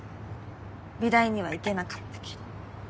美大には行けなかったけど。